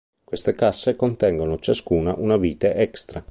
Queste casse contengono ciascuna una vita extra.